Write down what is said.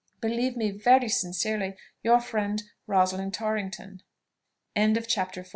"Believe me, very sincerely, "Your friend, "ROSALIND TORRINGTON." CHAPTER XV.